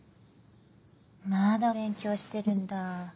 まだ勉強してるんだ。